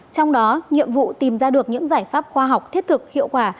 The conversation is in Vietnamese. trong đó nhiệm vụ tìm ra được những giải pháp khoa học thiết thực hiệu quả